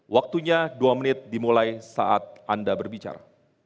waktunya dua menit dimulai saat anda berbicara